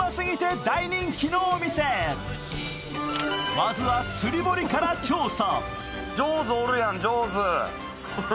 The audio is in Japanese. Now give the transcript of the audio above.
まずは、釣堀から調査。